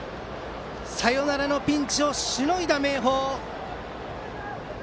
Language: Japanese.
サヨナラのピンチをしのいだ明豊。